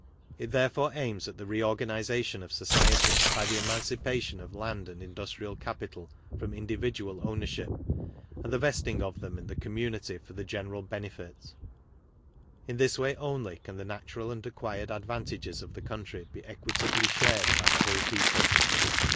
It therefore aims at the reorganization of Society by the emancipation of Land and Industrial Capital from individual ownership, and the vestiag of them in the com munity for the general benefit. In this way only can the natural and acqmred advantages of the country be equitably shared by the whole people.